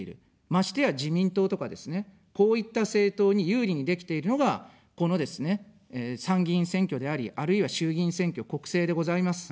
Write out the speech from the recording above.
ましてや自民党とかですね、こういった政党に有利にできているのが、このですね、参議院選挙であり、あるいは衆議院選挙、国政でございます。